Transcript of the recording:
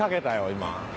今。